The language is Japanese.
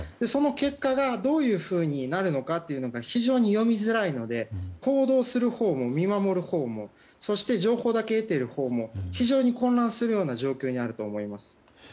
その結果が、どういうふうになるのかというのが非常に読みづらいので行動するほうも見守るほうもそして、情報だけ得ているほうも非常に混乱するような状況になると思います。